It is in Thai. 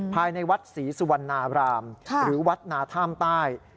ภายในวัดศรีสุวรรณารามหรือวัดนาท่ามใต้